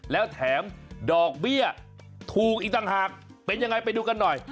แล้วแถมดอกเบี้ยถูกอีกต่างหากเป็นยังไงไปดูกันหน่อย